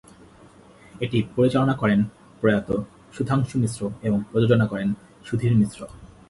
এটি পরিচালনা করেন প্রয়াত সুধাংশু মিশ্র এবং প্রযোজনা করেন সুধীর মিশ্র।